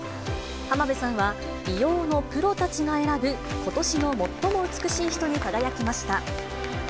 浜辺さんは、美容のプロたちが選ぶ、ことしの最も美しい人に輝きました。